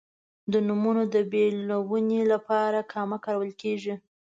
د نومونو د بېلونې لپاره کامه کارول کیږي.